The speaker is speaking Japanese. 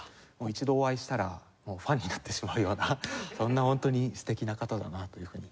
一度お会いしたらもうファンになってしまうようなそんなホントに素敵な方だなというふうに。